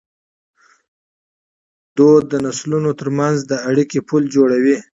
فرهنګ د نسلونو تر منځ د اړیکي پُل جوړوي.